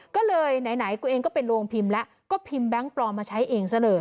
ก็เลยไหนตัวเองก็เป็นโรงพิมพ์แล้วก็พิมพ์แบงค์ปลอมมาใช้เองซะเลย